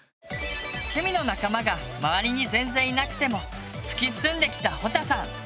趣味の仲間が周りに全然いなくても突き進んできたほたさん。